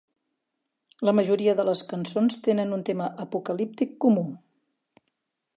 La majoria de les cançons tenen un tema apocalíptic comú.